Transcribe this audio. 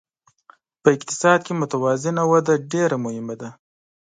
په اقتصاد کې متوازنه وده ډېره مهمه ده.